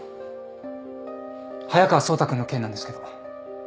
速川走太君の件なんですけど。